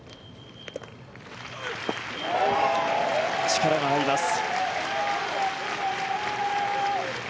力が入ります。